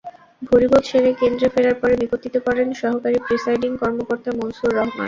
ভূরিভোজ সেরে কেন্দ্রে ফেরার পরে বিপত্তিতে পড়েন সহকারী প্রিসাইডিং কর্মকর্তা মুনসুর রহমান।